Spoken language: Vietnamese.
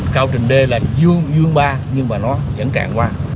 mặc dù cao trình đê là dương ba nhưng mà nó vẫn cạn qua